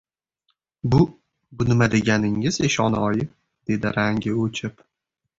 — Bu... bu nima deganingiz, eshonoyi? — dedi rangi o‘chib.